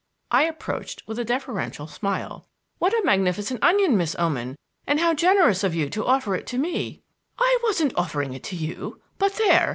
I approached with a deferential smile. "What a magnificent onion, Miss Oman! and how generous of you to offer it to me " "I wasn't offering it to you. But there!